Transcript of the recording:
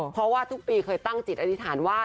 เพราะว่าทุกปีเคยตั้งจิตอธิษฐานว่า